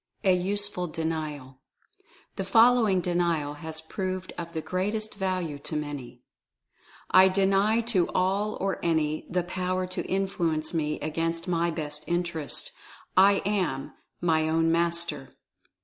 A USEFUL DENIAL. The following Denial has proved of the greatest value to many : "I DENY, to all or any, the power to Influence me against my best interests —/ Am my ozvn Master."